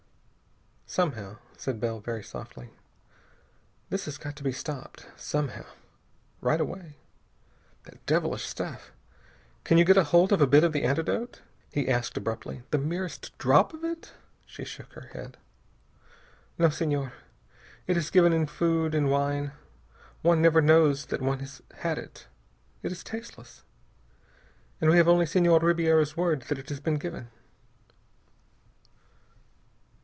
"Somehow," said Bell very softly, "this has got to be stopped. Somehow. Right away. That devilish stuff! Can you get hold of a bit of the antidote?" he asked abruptly. "The merest drop of it?" She shook her head. "No, Senhor. It is given in food, in wine. One never knows that one has had it. It is tasteless, and we have only Senhor Ribiera's word that it has been given."